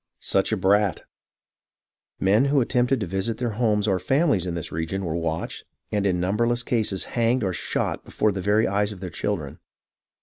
Such a brat !" Men who attempted to visit their homes or families in this region were watched, and in numberless cases hanged EVENTS IN AND NEAR NEW YORK 1 29 or shot before the very eyes of their children.